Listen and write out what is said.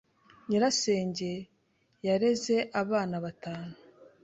Nyirasenge yareze abana batanu.